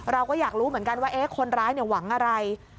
เราก็อยากรู้เหมือนกันว่าคนร้ายหวังอะไร